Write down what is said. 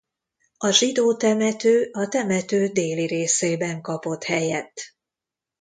A zsidó temető a temető déli részében kapott helyet.